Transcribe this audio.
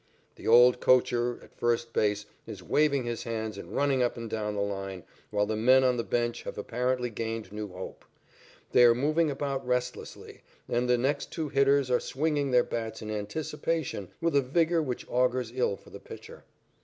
The other coacher, at first base, is waving his hands and running up and down the line, while the men on the bench have apparently gained new hope. They are moving about restlessly, and the next two hitters are swinging their bats in anticipation with a vigor which augurs ill for the pitcher.